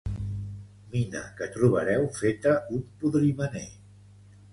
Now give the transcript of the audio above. Mina que trobareu feta un podrimener.